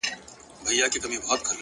د زړه صفا د انسان ښکلا ده.